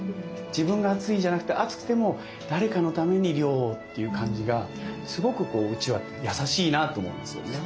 自分が暑いじゃなくて暑くても誰かのために涼をっていう感じがすごくうちわって優しいなと思うんですよね。